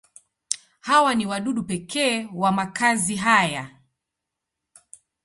Hawa ni wadudu pekee wa makazi haya.